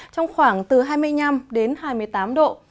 trong khoảng từ hai mươi năm đến hai mươi tám độ